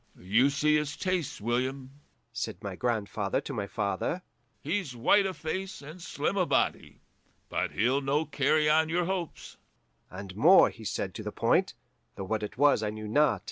'You see his tastes, William,' said my grandfather to my father; 'he's white o' face and slim o' body, but he'll no carry on your hopes.' And more he said to the point, though what it was I knew not.